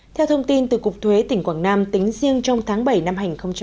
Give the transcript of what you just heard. theo thông tin từ cục thuế tỉnh quảng nam tính riêng trong tháng bảy năm hai nghìn một mươi chín